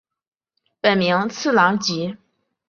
本名次郎吉。